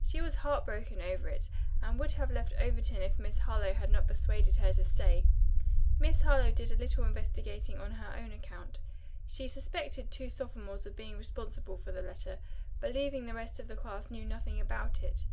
"She was heartbroken over it and would have left Overton if Miss Harlowe had not persuaded her to stay. Miss Harlowe did a little investigating on her own account. She suspected two sophomores of being responsible for the letter, believing the rest of the class knew nothing about it.